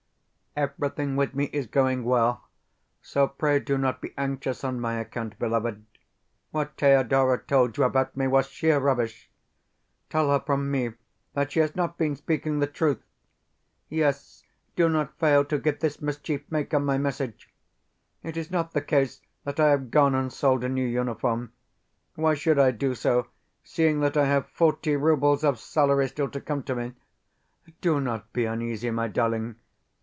Everything with me is going well; so pray do not be anxious on my account, beloved. What Thedora told you about me was sheer rubbish. Tell her from me that she has not been speaking the truth. Yes, do not fail to give this mischief maker my message. It is not the case that I have gone and sold a new uniform. Why should I do so, seeing that I have forty roubles of salary still to come to me? Do not be uneasy, my darling.